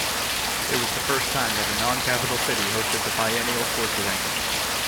It was the first time that a non-capital city hosted the biennial sports event.